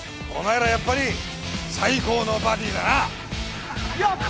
お前らやっぱり最高のバディだな。